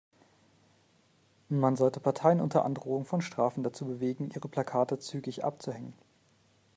Man sollte Parteien unter Androhung von Strafen dazu bewegen, ihre Plakate zügig abzuhängen.